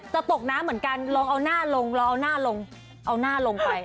จะตกน้ำเหมือนกันเอาหน้าลงไป